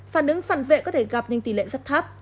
phản ứng phản vệ có thể gặp những tỷ lệ rất thấp